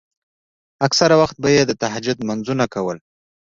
اکثره وخت به يې د تهجد لمونځونه کول.